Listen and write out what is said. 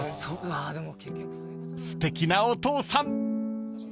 ［すてきなお父さん］